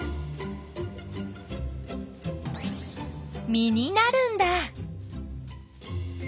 実になるんだ。